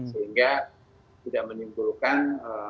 sehingga tidak menimbulkan